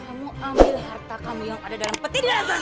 kamu ambil harta kamu yang ada dalam peti di dalam tangan